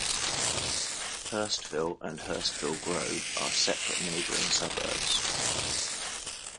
Hurstville and Hurstville Grove are separate neighbouring suburbs.